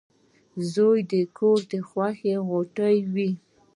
• زوی د کور د خوښۍ غوټۍ وي.